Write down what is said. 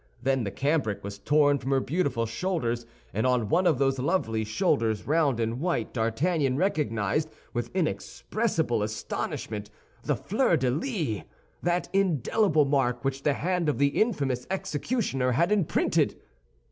Then the cambric was torn from her beautiful shoulders; and on one of those lovely shoulders, round and white, D'Artagnan recognized, with inexpressible astonishment, the fleur de lis—that indelible mark which the hand of the infamous executioner had imprinted.